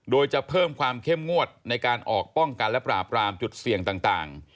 โดยจะเพิ่มความเข้มงวดในการออกป้องกันและปราบรามจุดเสี่ยงต่าง